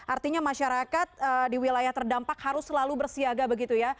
artinya masyarakat di wilayah terdampak harus selalu bersiaga begitu ya